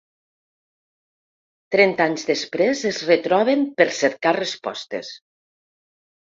Trenta anys després es retroben per cercar respostes.